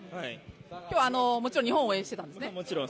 今日はもちろん日本を応援していたんですよね？